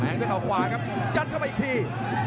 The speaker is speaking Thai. ด้วยเขาขวาครับยัดเข้าไปอีกที